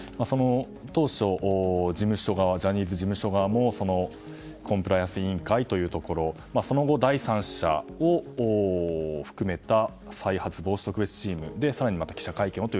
当初、ジャニーズ事務所側もコンプライアンス委員会というところその後、第三者を含めた再発防止特別チームそして更に記者会見をと。